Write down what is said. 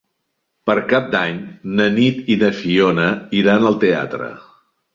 Per Cap d'Any na Nit i na Fiona iran al teatre.